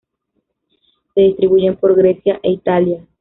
Se distribuyen por Grecia e Italia.